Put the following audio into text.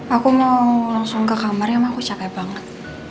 aku mau langsung ke kamarnya mbak aku capek banget